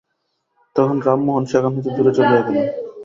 তখন রামমোহন সেখান হইতে দূরে চলিয়া গেল।